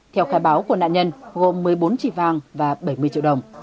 theo khai báo của nạn nhân gồm một mươi bốn chỉ vàng và bảy mươi triệu đồng